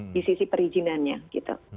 di sisi perizinannya gitu